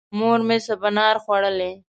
مور مې سبانار خوړل.